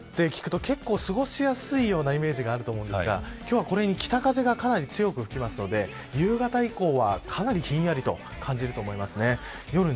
２０度って聞くと結構過ごしやすいようなイメージがあると思うんですが今日は、これに北風がかなり強く吹きますので夕方以降は、かなりひんやりと感じると思います。